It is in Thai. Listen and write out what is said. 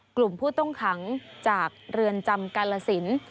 กลุ่มผู้ต้องขังจากเรือนจำกาลสิน